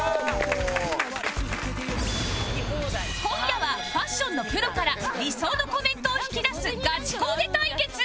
今夜はファッションのプロから理想のコメントを引き出すガチコーデ対決